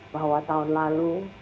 bahwa tahun lalu